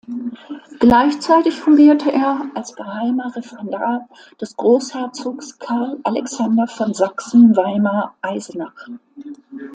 Gleichzeitig fungierte er als Geheimer Referendar des Großherzogs Carl Alexander von Sachsen-Weimar-Eisenach.